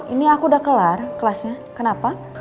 ini aku udah kelar kelasnya kenapa